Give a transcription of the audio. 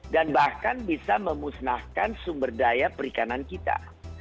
dan bahkan bisa memusnahkan sumber daya perikanan kita